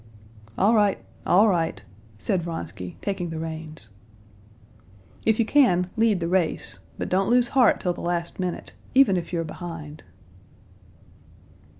"All right, all right," said Vronsky, taking the reins. "If you can, lead the race; but don't lose heart till the last minute, even if you're behind."